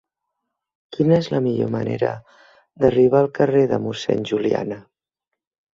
Quina és la millor manera d'arribar al carrer de Mossèn Juliana?